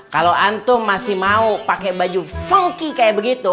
kalo antum masih mau pake baju funky kaya begitu